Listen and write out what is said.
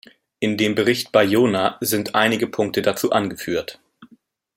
In dem Bericht Bayona sind einige Punkte dazu angeführt.